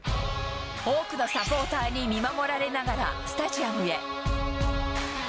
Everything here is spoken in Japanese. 多くのサポーターに見守られながら、スタジアムへ。